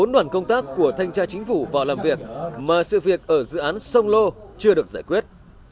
bốn đoàn công tác của thanh tra chính phủ vào làm việc mà sự việc ở dự án sông lô chưa được giải quyết